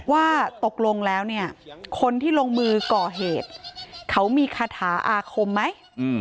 ว่าตกลงแล้วเนี่ยคนที่ลงมือก่อเหตุเขามีคาถาอาคมไหม